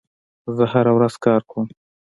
زه هره ورځ کار کوم.